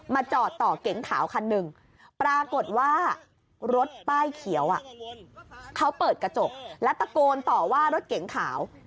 จอดต่อเก๋งขาวคันหนึ่งปรากฏว่ารถป้ายเขียวเขาเปิดกระจกและตะโกนต่อว่ารถเก๋งขาว